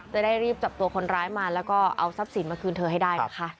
จะได้รีบจับตัวคนร้ายมาแล้วก็เอาทรัพย์สินมาคืนเธอให้ได้นะคะ